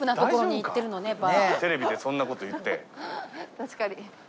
確かに。